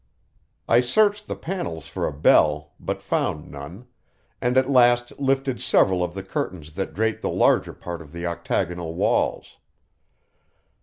I searched the panels for a bell, but found none, and at last lifted several of the curtains that draped the larger part of the octagonal walls.